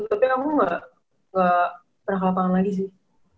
tapi kamu gak pernah ke lapangan lagi sih